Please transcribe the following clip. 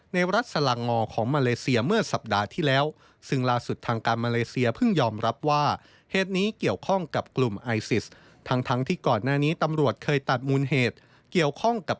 ในรัฐสลงงอของมาเลเซียเมื่อสัปดาห์ที่แล้ว